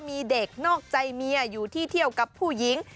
มีเด็กนอกใจเมียอยู่ที่เที่ยวกับผู้หญิง